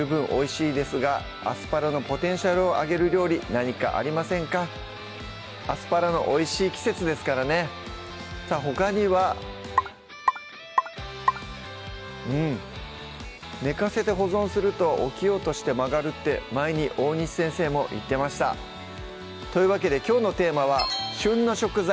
早速いってみましょうアスパラのおいしい季節ですからねさぁほかにはうん寝かせて保存すると起きようとして曲がるって前に大西先生も言ってましたというわけできょうのテーマは「旬の食材！